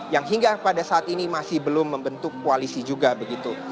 yang hingga pada saat ini masih belum membentuk koalisi juga begitu